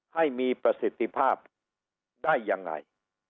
ให้มีประสิทธิภาพได้ยังไง